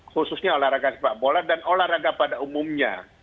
khususnya olahraga sepak bola dan olahraga pada umumnya